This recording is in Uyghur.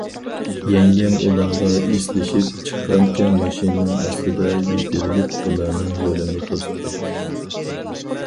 يەڭگەم ئۇلارغا ئېسىلىشىپ چىققانچە ماشىنىنىڭ ئاستىدا يېتىۋېلىپ ئۇلارنىڭ يولىنى توستى.